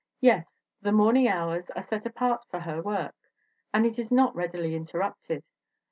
Yes, the morning hours are set apart for her work and it is not readily interrupted.